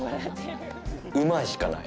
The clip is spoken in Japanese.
うまいしかない。